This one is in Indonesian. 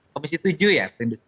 komisi tujuh ya perindustrian